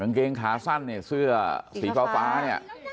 บางเกงขาสั้นเนี่ยเจอสีก้าวฟ้านี้